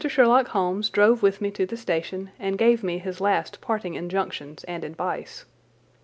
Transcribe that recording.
Sherlock Holmes drove with me to the station and gave me his last parting injunctions and advice.